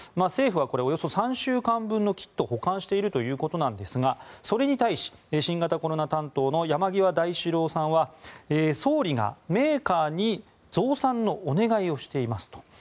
政府はおよそ３週間分のキットを保管しているということですがそれに対し新型コロナ担当の山際大志郎さんは総理がメーカーに増産のお願いをしていますと。